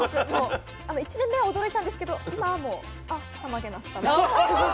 １年目は驚いたんですけど今はもうあったまげなすだなって。